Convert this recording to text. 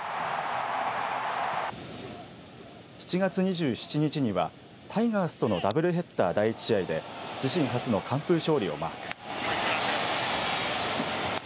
７月２７日にはタイガースとのダブルヘッダー第１試合で自身初の完封勝利をマーク。